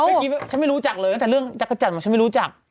เมื่อกี้ฉันไม่รู้จักเลยตั้งแต่เรื่องจักรจันทร์ฉันไม่รู้จัก